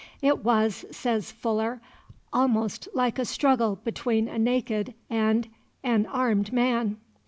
It was, says Fuller, almost like a struggle between a naked and an armed man.